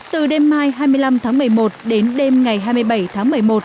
từ đêm mai hai mươi năm tháng một mươi một đến đêm ngày hai mươi bảy tháng một mươi một